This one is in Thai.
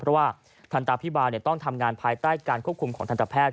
เพราะว่าทันตาพิบาลต้องทำงานภายใต้การควบคุมของทันตแพทย